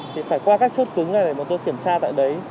phải qua các chốt cứng này để kiểm tra tại đấy